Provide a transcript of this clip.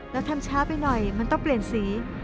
แล้วทำช้าไปหน่อยมันต้องเปลี่ยนสี